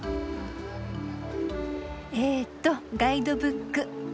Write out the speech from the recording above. えっとガイドブック。